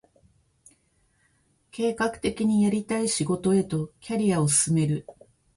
計画的にやりたい仕事へとキャリアを進める